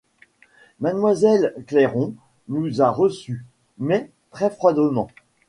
Mlle Clairon nous reçut, mais très froidement.